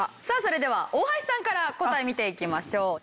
さあそれでは大橋さんから答え見ていきましょう。